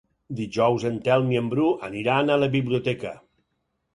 Dijous en Telm i en Bru aniran a la biblioteca.